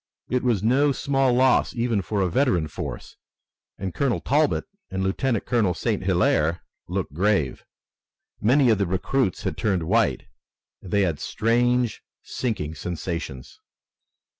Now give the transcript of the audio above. It was no small loss even for a veteran force, and Colonel Talbot and Lieutenant Colonel St. Hilaire looked grave. Many of the recruits had turned white, and they had strange, sinking sensations.